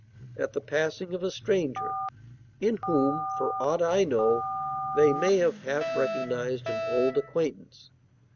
at the passing of a stranger, in whom, for aught I know, they may have half recognized an old acquaintance.